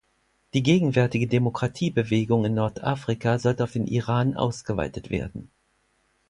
Die gegenwärtige Demokratiebewegung in Nordafrika sollte auf den Iran ausgeweitet werden.